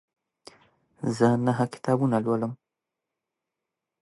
زه نهه کتابونه لولم.